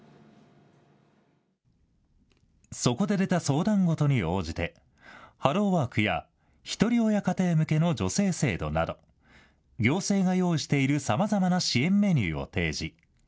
そこで出た相談事に応じて、ハローワークやひとり親家庭向けの助成制度など、行政が用意しているさまざまな支援メニューを提示。